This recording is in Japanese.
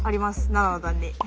７の段に。